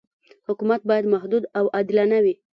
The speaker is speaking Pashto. حکومت باید محدود او عادلانه وي.